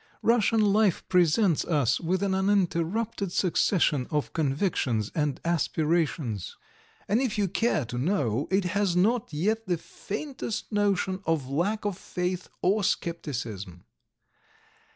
Russian life presents us with an uninterrupted succession of convictions and aspirations, and if you care to know, it has not yet the faintest notion of lack of faith or scepticism.